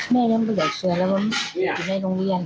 แม่ยังเบื่อเชือนแล้วมันอยู่ในโรงเรียน